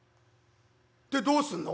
「でどうすんの？」。